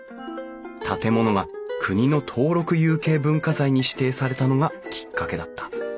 建物が国の登録有形文化財に指定されたのがきっかけだった。